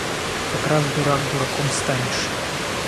Как раз дурак дураком станешь.